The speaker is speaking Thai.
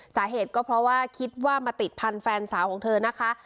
สาเหตุก็เพราะว่าคิดว่ามาติดพันธุ์แฟนสาวของเธอนะคะ